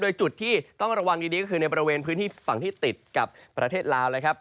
โดยจุดที่ต้องระวังดีก็คือในบริเวณพื้นที่ฝั่งที่ติดกับประเทศลาวนะครับ